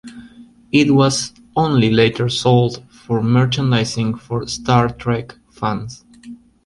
It was only later sold for merchandising for "Star Trek" fans.